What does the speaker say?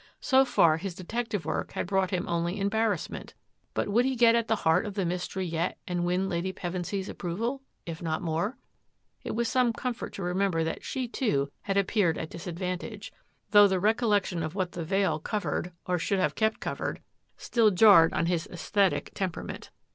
So far his detec tive work had brought him only embarrassment. But he would get at the heart of the mystery yet and win Lady Pevensy's approval — if not more. It was some comfort to remember that she, too, had appeared at disadvantage, though the recollection of what the veil covered, or should have kept cov ered, still jarred on his aesthetic temperament.